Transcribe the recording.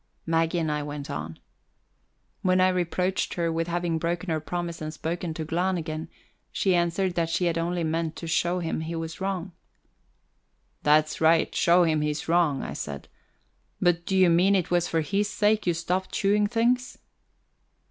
Maggie and I went on. When I reproached her with having broken her promise and spoken to Glahn again, she answered that she had only meant to show him he was wrong. "That's right show him he's wrong," I said. "But do you mean it was for his sake you stopped chewing things?"